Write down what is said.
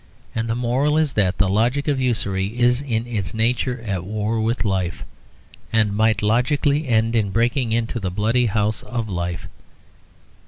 And the moral is that the logic of usury is in its nature at war with life, and might logically end in breaking into the bloody house of life.